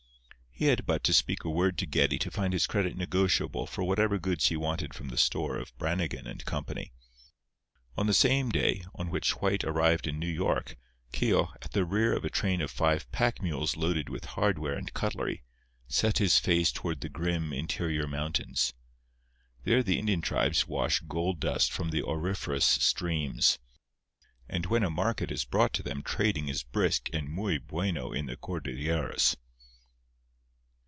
He had but to speak a word to Geddie to find his credit negotiable for whatever goods he wanted from the store of Brannigan & Company. On the same day on which White arrived in New York Keogh, at the rear of a train of five pack mules loaded with hardware and cutlery, set his face toward the grim, interior mountains. There the Indian tribes wash gold dust from the auriferous streams; and when a market is brought to them trading is brisk and muy bueno in the Cordilleras.